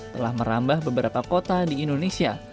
telah merambah beberapa kota di indonesia